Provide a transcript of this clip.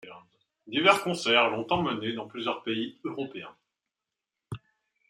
Divers concerts l'ont emmené dans plusieurs pays européens.